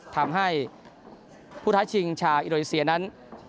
ทำให้ผู้ท้าชิงชาวอินโดนีเซียนั้น